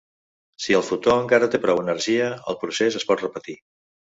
Si el fotó encara té prou energia, el procés es pot repetir.